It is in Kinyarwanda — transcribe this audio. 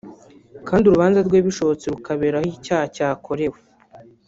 kandi urubanza rwe bishobotse rukabera aho icyaha cyakorewe